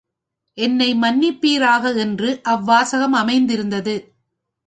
என்னை மன்னிப்பீராக என்று அவ் வாசகம் அமைந்திருந்தது.